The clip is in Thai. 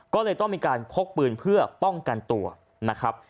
ก็เลยต้องมีการพกปืนเพื่อป้องกันตัวนะครับ